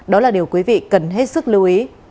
đó là điều quý vị cần hết sức lưu ý